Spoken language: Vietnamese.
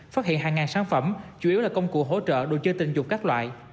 phát hiện hàng ngàn sản phẩm chủ yếu là công cụ hỗ trợ đồ chơi tình dục các loại